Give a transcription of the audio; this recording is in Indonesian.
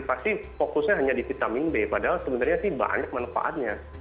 pasti fokusnya hanya di vitamin b padahal sebenarnya sih banyak manfaatnya